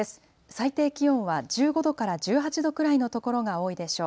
最低気温は１５度から１８度くらいのところが多いでしょう。